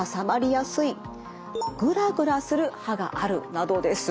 などです。